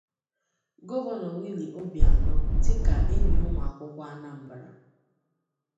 Gọvanọ Willie Obianọ dịka enyi ụmụakwụkwọ Anambra